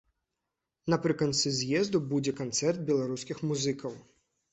Напрыканцы з'езду будзе канцэрт беларускіх музыкаў.